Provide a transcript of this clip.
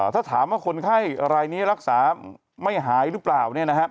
ถ้าถามว่าคนไข้รายนี้รักษาไม่หายหรือเปล่า